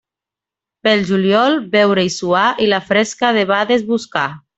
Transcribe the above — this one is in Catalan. Pel juliol, beure i suar, i la fresca debades buscar.